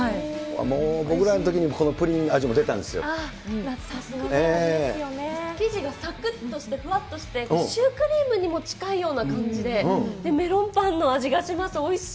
もう僕らのときに、生地がさくっとしてふわっとして、シュークリームにも近いような感じで、メロンパンの味がしねえ。